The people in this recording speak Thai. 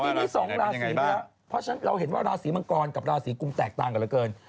เมื่อกี้นี้๒ราศีเนื้อเพราะฉะนั้นเราเห็นว่าราศีมังกรกับราศีกรุงแตกต่างกันเกิน